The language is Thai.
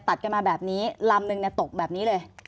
ตัดกันมาแบบนี้ลำนึงตกแบบนี้เลย